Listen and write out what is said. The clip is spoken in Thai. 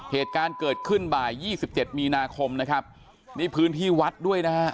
เหตุการณ์เกิดขึ้นบ่าย๒๗มีนาคมนะครับนี่พื้นที่วัดด้วยนะฮะ